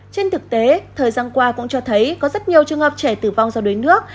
trên thực tế thời gian qua cũng cho thấy có rất nhiều trường hợp trẻ tử vong do đuối nước